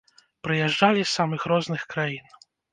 Прыязджалі з самых розных краін.